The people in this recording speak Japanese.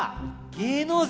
げ芸能人？